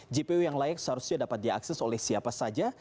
jpo yang layak seharusnya dapat diakses oleh siapa saja